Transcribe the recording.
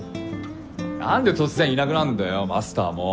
なんで突然いなくなんだよマスターも。